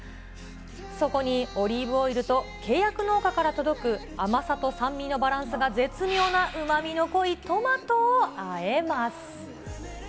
そこにオリーブオイルと契約農家から届く甘さと酸味のバランスが絶妙なうまみの濃いトマトをあえます。